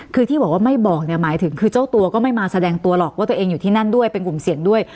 คือที่บอกว่าไม่บอกเนี่ยหมายถึงคือเจ้าตัวก็ไม่มาแสดงตัวหรอกว่าตัวเองอยู่ที่นั่นด้วยเป็นกลุ่มเสี่ยงด้วย